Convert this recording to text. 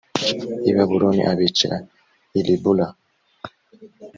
i babuloni abicira l i ribula